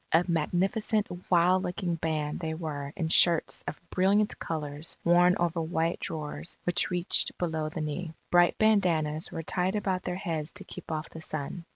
A magnificent wild looking band they were in shirts of brilliant colours worn over white drawers which reached below the knee. Bright bandanas were tied about their heads to keep off the sun.